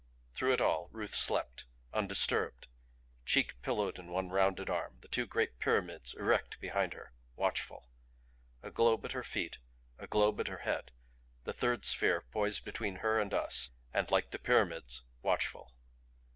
Through it all Ruth slept, undisturbed, cheek pillowed in one rounded arm, the two great pyramids erect behind her, watchful; a globe at her feet, a globe at her head, the third sphere poised between her and us, and, like the pyramids watchful.